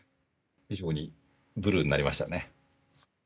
非常にブルーになりましたね。